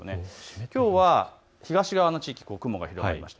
きょうは東側の地域に雲が広がりました。